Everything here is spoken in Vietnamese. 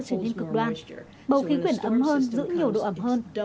lượng mưa trở nên cực đoan bầu khí quyển ấm hơn giữ nhiều độ ấm hơn